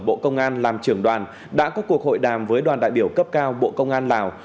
bộ công an làm trưởng đoàn đã có cuộc hội đàm với đoàn đại biểu cấp cao bộ công an lào